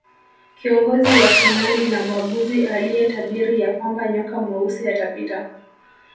Kiongozi wa Kinandi na mwaguzi aliyetabiri ya kwamba nyoka mweusi atapita